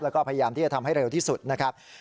แล้วก็พยายามที่จะทำให้เร็วที่สุดนะครับ